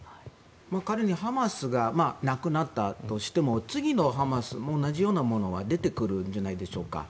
仮にハマスがなくなったとしても次のハマス、同じようなものが出てくるんじゃないでしょうか。